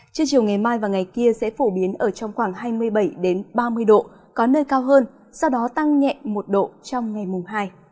chiều chiều ngày mai và ngày kia sẽ phổ biến ở trong khoảng hai mươi bảy ba mươi độ có nơi cao hơn sau đó tăng nhẹ một độ trong ngày mùng hai